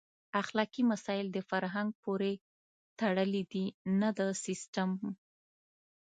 اخلاقي مسایل د فرهنګ پورې تړلي دي نه د سیسټم.